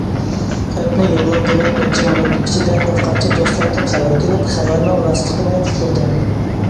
خەتنى يوللاپ بولۇپ نەچچە مىنۇت ئىچىدە بىرقانچە دوستلاردىن خەۋەر كېلىپ خەۋەرنىڭ راستلىقىنى ئۇقتۇردى.